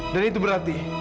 dan itu berarti